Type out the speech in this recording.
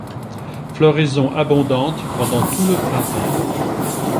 Floraison abondante pendant tout le printemps.